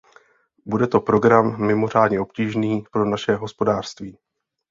Bude to program mimořádně obtížný pro naše hospodářství.